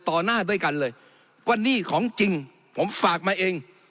หน้าด้วยกันเลยว่านี่ของจริงผมฝากมาเอง